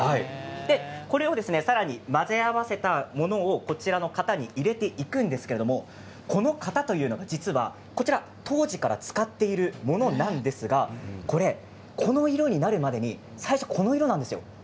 これをさらに混ぜ合わせたものを型に入れていくんですけどもこの型は実は当時から使っているものなんですがこの色になるまでに最初、この色なんですよ